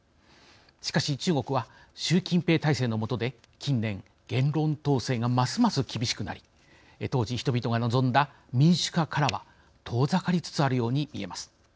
しかし中国は習近平体制のもとで近年言論統制がますます厳しくなり当時人々が望んだ民主化からは遠ざかりつつあるように見えます。